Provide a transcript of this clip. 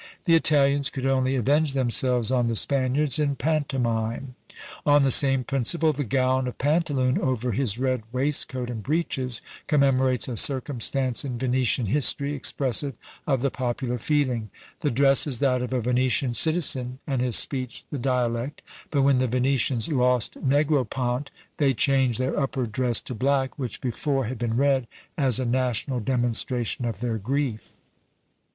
The Italians could only avenge themselves on the Spaniards in pantomime! On the same principle the gown of Pantaloon over his red waistcoat and breeches, commemorates a circumstance in Venetian history expressive of the popular feeling; the dress is that of a Venetian citizen, and his speech the dialect; but when the Venetians lost Negropont, they changed their upper dress to black, which before had been red, as a national demonstration of their grief.